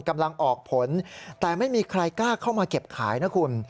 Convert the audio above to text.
กำลังออกผลแต่ไม่มีใครกล้าเข้ามาเก็บขายนะคุณ